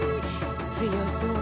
強そう。